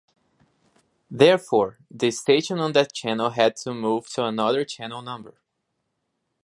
Therefore, the station on that channel had to move to another channel number.